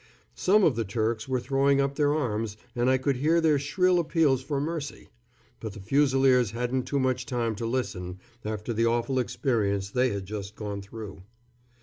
Some of the Turks were throwing up their arms, and I could hear their shrill appeals for mercy; but the Fusiliers hadn't too much time to listen after the awful experience they had just gone through.